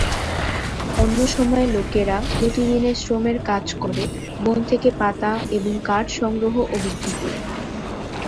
অন্য সময়ে লোকেরা প্রতিদিনের শ্রমের কাজ করে, বন থেকে পাতা এবং কাঠ সংগ্রহ ও বিক্রি করে।